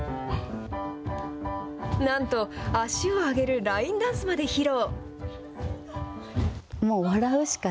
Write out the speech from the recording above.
なんと足を上げるラインダンスまで披露。